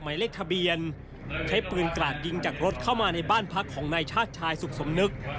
หมายเลขทะเบียนใช้ปืนกราดยิงจากรถเข้ามาในบ้านพักของนายชาติชายสุขสมนึก